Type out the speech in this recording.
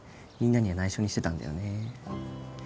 みんなには内緒にしてたんだよね